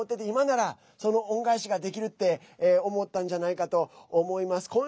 今なら、その恩返しができるって思ったんじゃないかと思います。